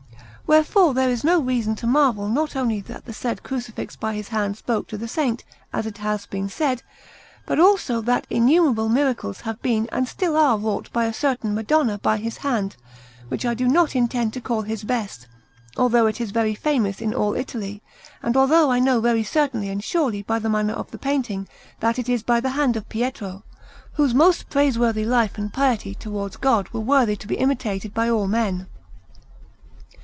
Wherefore there is no reason to marvel not only that the said Crucifix by his hand spoke to the Saint, as it has been said, but also that innumerable miracles have been and still are wrought by a certain Madonna by his hand, which I do not intend to call his best, although it is very famous in all Italy and although I know very certainly and surely, by the manner of the painting, that it is by the hand of Pietro, whose most praiseworthy life and piety towards God were worthy to be imitated by all men.